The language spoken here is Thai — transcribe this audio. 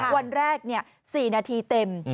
วันแรก๔นาทีเต็ม